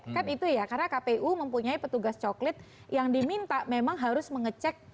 kan itu ya karena kpu mempunyai petugas coklit yang diminta memang harus mengecek